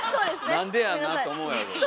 なんでやんなと思うやろうし。